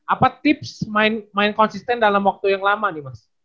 apa tips main konsisten dalam waktu yang lama nih mas